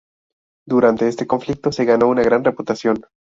Durante este conflicto se ganó una gran reputación.